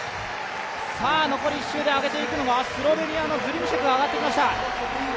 残り１周で上げていくのはスロベニアのズリムシェクが上がってきました。